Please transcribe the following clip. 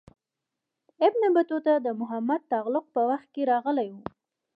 ابن بطوطه د محمد تغلق په وخت کې راغلی و.